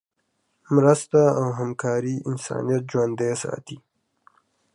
مرسته او همکاري انسانیت ژوندی ساتي.